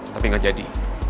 tapi gak jadi